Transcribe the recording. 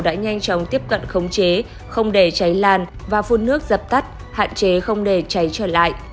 đã nhanh chóng tiếp cận khống chế không để cháy lan và phun nước dập tắt hạn chế không để cháy trở lại